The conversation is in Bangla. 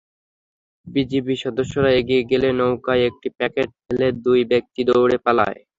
বিজিবি সদস্যরা এগিয়ে গেলে নৌকায় একটি প্যাকেট ফেলে দুই ব্যক্তি দৌড়ে পালায়।